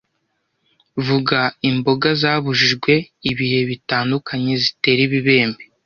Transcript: Vuga imboga zabujijwe ibihe bitandukanye zitera ibibembe